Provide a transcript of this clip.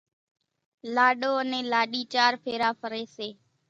لاڏو انين لاڏِي چار ڦيرا ڦريَ سي۔